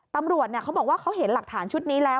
ตำรวจเขาบอกว่าเขาเห็นหลักฐานชุดนี้แล้ว